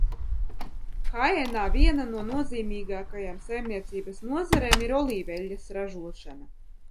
Haenā viena no nozīmīgākajām saimniecības nozarēm ir olīveļļas ražošana.